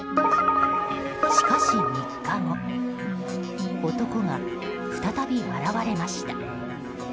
しかし、３日後男が再び現れました。